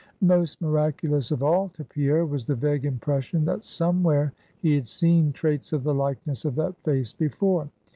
Most miraculous of all to Pierre was the vague impression, that somewhere he had seen traits of the likeness of that face before.